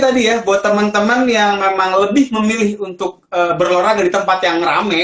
tadi ya buat teman teman yang memang lebih memilih untuk berolahraga di tempat yang rame